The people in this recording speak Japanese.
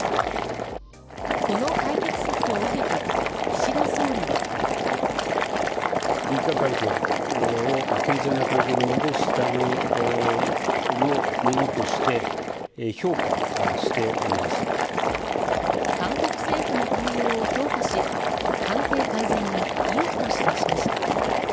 この解決策を受けて岸田総理は。韓国政府の対応を評価し、関係改善に意欲を示しました。